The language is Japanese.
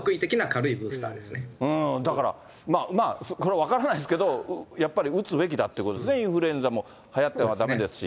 だから、分からないですけど、やっぱり打つべきだってことですね、インフルエンザもはやってはだめですし。